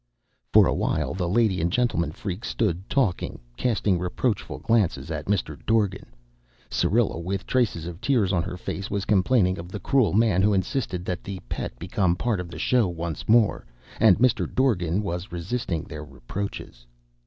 For a while the lady and gentleman freaks stood talking, casting reproachful glances at Mr. Dorgan. Syrilla, with traces of tears on her face, was complaining of the cruel man who insisted that the Pet become part of the show once more and Mr. Dorgan was resisting their reproaches.